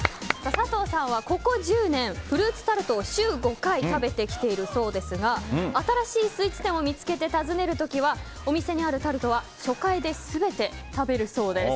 佐藤さんはここ１０年フルーツタルトを週５回食べてきているそうですが新しいスイーツ店を見つけて訪ねる時はお店にあるタルトは初回で全て食べるそうです。